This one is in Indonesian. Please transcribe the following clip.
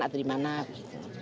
atau dimana gitu